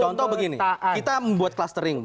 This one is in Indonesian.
contoh begini kita membuat clustering